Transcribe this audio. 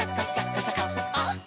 「あっ！